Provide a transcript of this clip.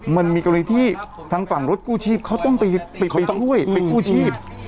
มันมีกรณีที่ทางฝั่งรถกู้ชีพเขาต้องไปช่วยไปกู้ชีพ